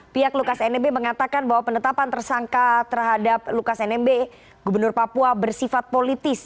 pihak lukas nmb mengatakan bahwa penetapan tersangka terhadap lukas nmb gubernur papua bersifat politis